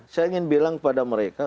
saya bilang kepada mereka